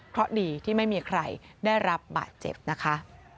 เพราะดีที่ไม่มีใครได้รับบาดเจ็บนะคะ